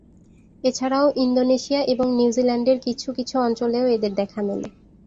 এছাড়াও ইন্দোনেশিয়া এবং নিউজিল্যান্ডের কিছু কিছু অঞ্চলেও এদের দেখা মেলে।